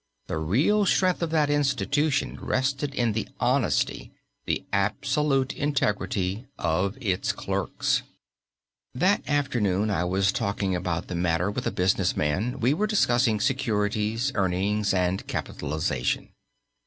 The real strength of that institution rested in the honesty, the absolute integrity of its clerks. That afternoon I was talking about the matter with a business man. We were discussing securities, earnings and capitalization.